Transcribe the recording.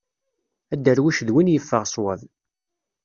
Adarwic d win yeffeɣ swab.